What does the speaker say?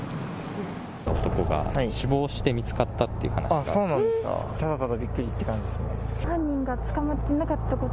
男が死亡して見つかったという話なんですが。